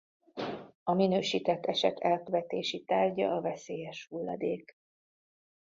A minősített eset elkövetési tárgya a veszélyes hulladék.